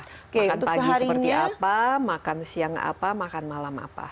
makan pagi seperti apa makan siang apa makan malam apa